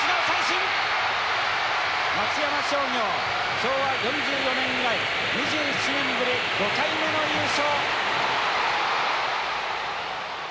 昭和４４年以来２７年ぶり５回目の優勝。